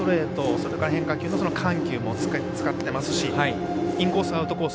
それから変化球と緩急を使っていますしインコース、アウトコース